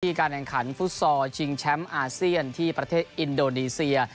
การแข่งขันฟุตซอลชิงแชมป์อาเซียนที่ประเทศอินโดนีเซีย